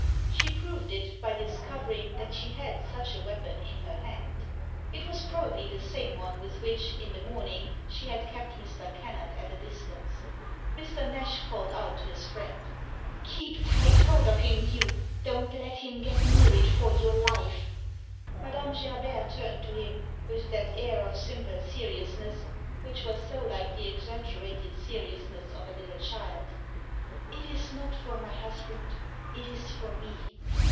She proved it by discovering that she had such a weapon in her hand. It was probably the same one with which, in the morning, she had kept Mr. Kennard at a distance. Mr. Nash called out to his friend —" Keep tight hold of him, Hugh, don't let him get near it for your life !" Madame Gerbert turned to him with that air of simple seriousness which was so like the exaggerated seriousness of a little child. " It is not for my husband. It is for me